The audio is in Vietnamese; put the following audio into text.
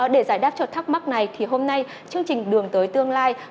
để giải đáp cho thắc mắc này thì hôm nay chương trình đường tới tương lai